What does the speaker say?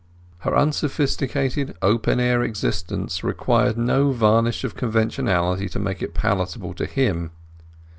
Her unsophisticated open air existence required no varnish of conventionality to make it palatable to him.